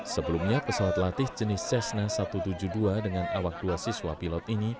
sebelumnya pesawat latih jenis cessna satu ratus tujuh puluh dua dengan awak dua siswa pilot ini